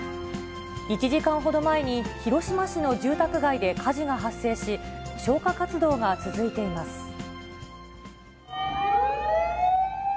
１時間ほど前に広島市の住宅街で火事が発生し、消火活動が続いています。